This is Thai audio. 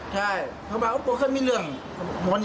ใช่เค้ามีเรื่อง